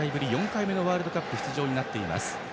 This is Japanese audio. ４回目のワールドカップ出場になっています。